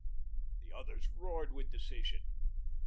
The others roared with derision.